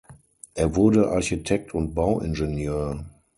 Er wurde Architekt und Bauingenieur.